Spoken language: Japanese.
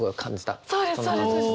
そうですそうです。